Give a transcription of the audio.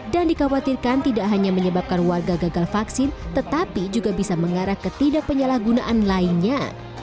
dan dikhawatirkan tidak hanya menyebabkan warga gagal vaksin tetapi juga bisa mengarah ke tidak penyalahgunaan lainnya